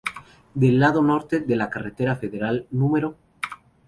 Del lado norte de la Carretera Federal No.